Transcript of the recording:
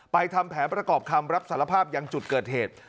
ทำแผนประกอบคำรับสารภาพยังจุดเกิดเหตุ